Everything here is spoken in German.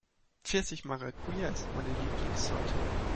Pfirsich-Maracuja ist meine Lieblingssorte